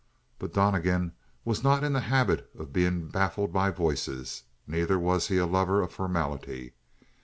But Donnegan was not in the habit of being baffled by voices. Neither was he a lover of formality.